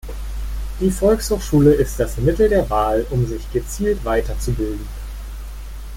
Die Volkshochschule ist das Mittel der Wahl, um sich gezielt weiterzubilden.